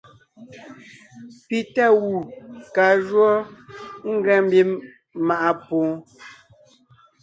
Pi tá gù kaa jǔɔ ngʉa mbím maʼa pwoon.